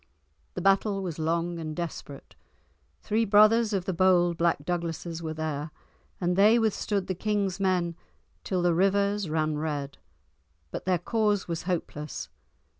The battle was long and desperate; three brothers of the bold black Douglases were there, and they withstood the king's men till the rivers ran red; but their cause was hopeless.